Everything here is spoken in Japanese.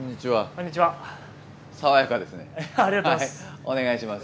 お願いします。